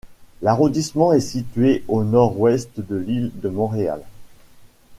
L'arrondissement est situé au nord-ouest de l'île de Montréal.